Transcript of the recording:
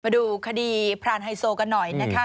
ดูคดีพรานไฮโซกันหน่อยนะคะ